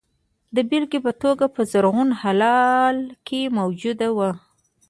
د بېلګې په توګه په زرغون هلال کې موجود وو.